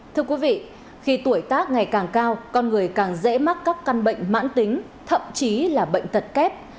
thưa quý vị khi tuổi tác ngày càng cao con người càng dễ mắc các căn bệnh mãn tính thậm chí là bệnh tật kép